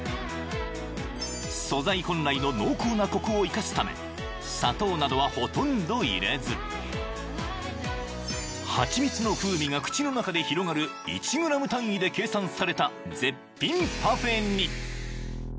［素材本来の濃厚なコクを生かすため砂糖などはほとんど入れずハチミツの風味が口の中で広がる１ｇ単位で計算された絶品パフェに］